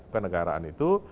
ke negaraan itu